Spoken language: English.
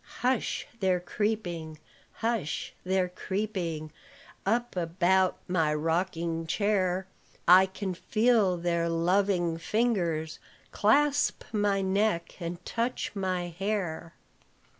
"Hush! they're creeping; hush! they're creeping, Up about my rocking chair: I can feel their loving fingers Clasp my neck and touch my hair.